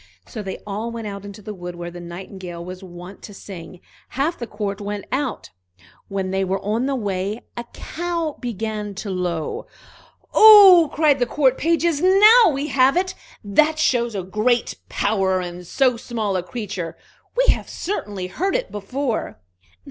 So they all went out into the wood where the Nightingale was wont to sing; half the court went out. When they were on the way, a cow began to low. "Oh!" cried the court pages, "now we have it! That shows a great power in so small a creature! We have certainly heard it before."